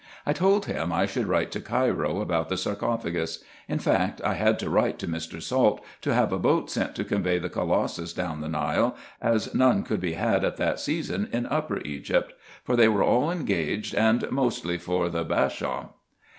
I told him I should write to Cairo about the sarcophagus. In fact, I had to write to Mr. Salt, to have a boat sent to convey the colossus down the Nile, as none could be had at that season in Upper Egypt ; for they were all engaged, and mostly for the Bashaw.